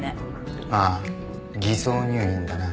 ああ偽装入院だな。